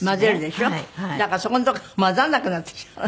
だからそこのとこが混ざんなくなってきちゃった？